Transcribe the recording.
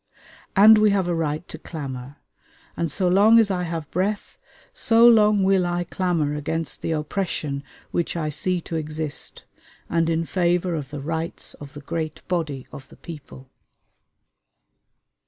And we have a right to clamor; and so long as I have breath, so long will I clamor against the oppression which I see to exist, and in favor of the rights of the great body of the people....